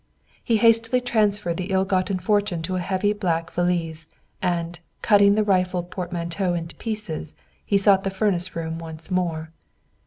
He hastily transferred the ill gotten fortune to a heavy black valise and, cutting the rifled portmanteau in pieces, he sought the furnace room once more.